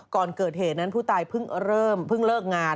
ก่อนเกิดเหตุนั้นผู้ตายเพิ่งเริ่มเพิ่งเลิกงาน